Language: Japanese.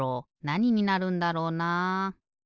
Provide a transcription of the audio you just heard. なにになるんだろうな。